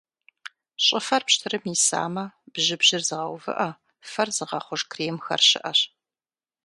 Щӏыфэр пщтырым исамэ, бжьыбжьыр зыгъэувыӏэ, фэр зыгъэхъуж кремхэр щыӏэщ.